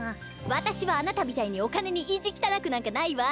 私はあなたみたいにお金に意地汚くなんかないわ！